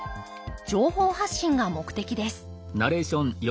情報発信が目的です